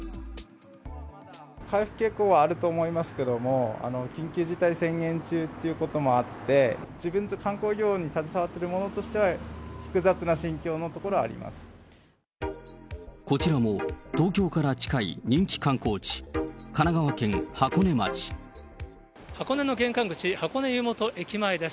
回復傾向はあると思いますけども、緊急事態宣言中ということもあって、自分たち観光業に携わっている者としては、複雑な心境のところはこちらも東京から近い人気観箱根の玄関口、箱根湯本駅前です。